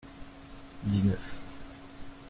Dix-neuf.